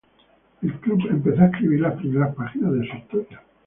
El club empezó a escribir las primeras páginas de su historia.